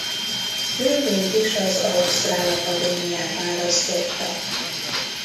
Ő mégis az Ausztrál Akadémiát választotta.